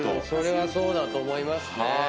それはそうだと思いますね。